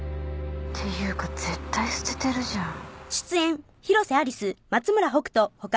ていうか絶対捨ててるじゃん。